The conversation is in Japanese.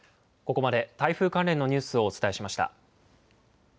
ここまで台風関連のニュースをお伝えしました。